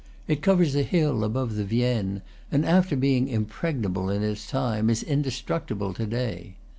It covers a hill above the Vienne, and after being impregnable in its time is in destructible to day.